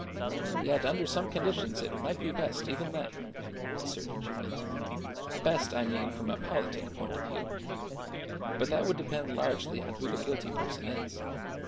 "Yet under some conditions it might be best, even then," asserted Judith. "Best, I mean, from a politic point of view. But that would depend largely on who the guilty person is.